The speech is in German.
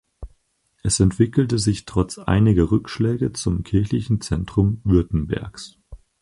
Es entwickelte sich trotz einiger Rückschläge zum kirchlichen Zentrum Württembergs.